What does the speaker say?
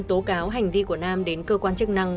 tố cáo hành vi của nam đến cơ quan chức năng